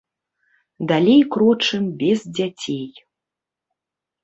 Далей крочым без дзяцей.